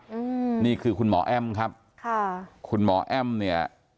อืมนี่คือคุณหมอแอ้มครับค่ะคุณหมอแอ้มเนี่ย